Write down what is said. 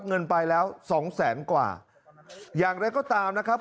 เงินไปแล้วสองแสนกว่าอย่างไรก็ตามนะครับ